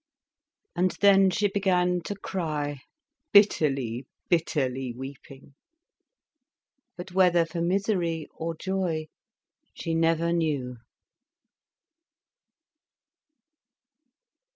And then she began to cry, bitterly, bitterly weeping: but whether for misery or joy, she never knew.